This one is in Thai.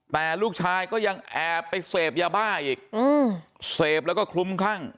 แต่ลูกชายก็ยังแอบไปเสพยาบ้าอีกเสพแล้วก็คลุ้มคลั่ง